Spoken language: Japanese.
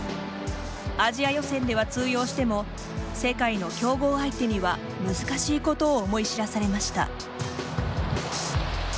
アジア予選では通用しても世界の強豪相手には難しいことを思い知らされました。